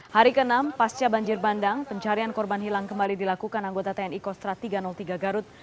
hari ke enam pasca banjir bandang pencarian korban hilang kembali dilakukan anggota tni kostrat tiga ratus tiga garut